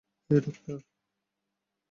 হেই, doctor!